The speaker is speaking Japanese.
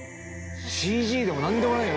ＣＧでも何でもないよね？